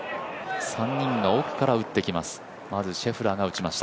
３人が奥から打ってきます。